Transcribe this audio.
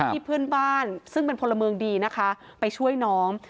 เพื่อนบ้านซึ่งเป็นพลเมืองดีนะคะไปช่วยน้อง